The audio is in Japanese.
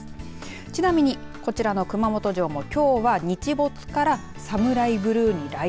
ちなみにこちらの熊本城もきょうは日没からサムライ